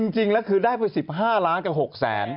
จริงแล้วคือได้ไป๑๕ล้านกับ๖แสน